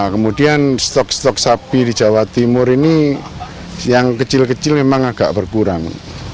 kemudian stok stok sapi di jawa timur ini yang kecil kecil memang agak berkurang